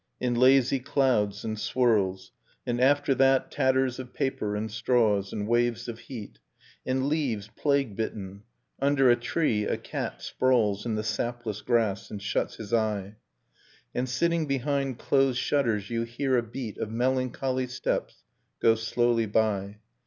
In lazy clouds and swirls, and after that Tatters of paper and straws, and waves of heat, And leaves plague bitten; under a tree a cat Sprawls in the sapless grass, and shuts his eye. And sitting behind closed shutters you hear a beat Of melancholy steps go slowly by.